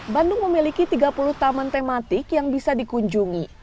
bandung memiliki tiga puluh taman tematik yang bisa dikunjungi